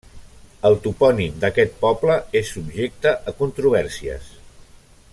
El topònim d'aquest poble és subjecte a controvèrsies.